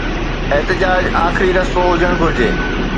احتجاج آخري رستو هجڻ گهرجي.